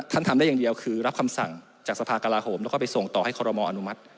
ทำได้อย่างเดียวคือรับคำสั่งจากสภากลาโหมแล้วก็ไปส่งต่อให้คอรมออนุมัติ